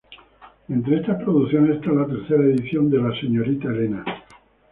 Entre estas producciones está la tercera edición de "La señorita Elena".